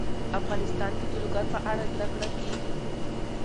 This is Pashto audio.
افغانستان کې د لوگر په اړه زده کړه کېږي.